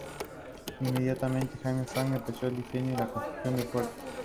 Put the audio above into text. Inmediatamente Jaime Franck empezó el diseño y la construcción del Fuerte.